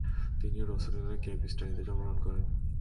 তিনি রৌসেলিনের ক্যাবেস্টানিতে জন্মগ্রহণ করেন।